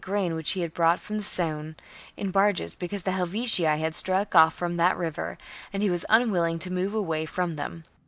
grain which he had brought up the Saone in barges, because the Helvetii had struck off from that river, and he was unwilling to move away from them.